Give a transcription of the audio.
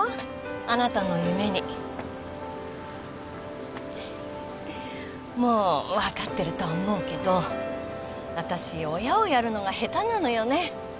あなたの夢にもう分かってると思うけど私親をやるのが下手なのよね